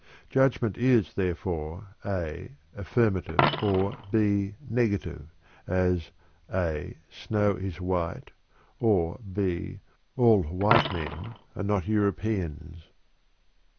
Judgment is, therefore, (a) affirmative or (b) negative, as (a) 'Snow is white,' or (b) 'All white men are not Europeans.'"